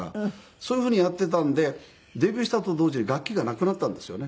そういうふうにやっていたんでデビューしたと同時に楽器がなくなったんですよね。